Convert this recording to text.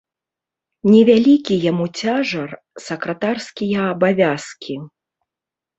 Не вялікі яму цяжар сакратарскія абавязкі.